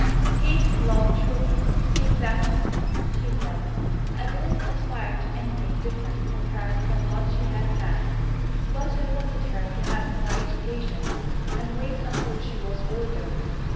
Kate laughed shortly. "Exactly!" she said. "I didn't aspire to anything different for her from what she has had; but I wanted her to have more education, and wait until she was older.